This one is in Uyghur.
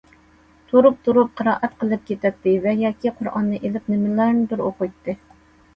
تۇرۇپ تۇرۇپ قىرائەت قىلىپ كېتەتتى ۋە ياكى قۇرئاننى ئېلىپ نېمىلەرنىدۇر ئوقۇيتتى.